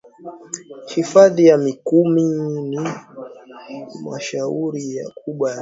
hifadhi ya mikumi ni mashuhuri na kubwa nchini tanzania